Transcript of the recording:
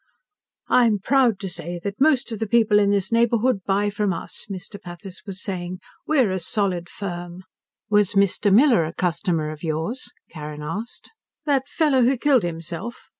"I'm proud to say that most of the people in this neighborhood buy from us," Mr. Pathis was saying. "We're a solid firm." "Was Mr. Miller a customer of yours?" Carrin asked. "That fellow who killed himself?"